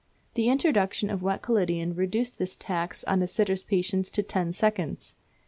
The introduction of wet collodion reduced this tax on a sitter's patience to ten seconds.